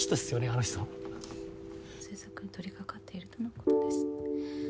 あの人。に取りかかっているとのことです。